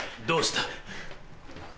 どうした？